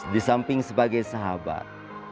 disamping sebagai sahabat